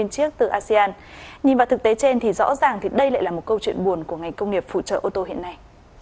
nhìn vào thực tế trên thì rõ ràng đây lại là một câu chuyện buồn của ngành công nghiệp phụ trợ ô tô hiện nay